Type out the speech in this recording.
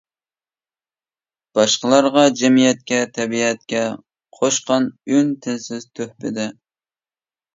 باشقىلارغا، جەمئىيەتكە، تەبىئەتكە قوشقان ئۈن-تىنسىز تۆھپىدە.